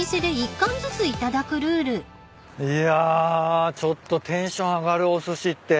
いやちょっとテンション上がるおすしって。